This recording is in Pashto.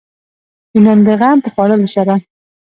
د نن د غم په خوړلو سره.